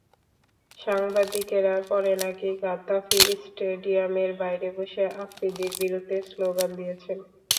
সাংবাদিকেরা পরে নাকি গাদ্দাফি স্টেডিয়ামের বাইরে বসে আফ্রিদির বিরুদ্ধে স্লোগান দিয়েছেন।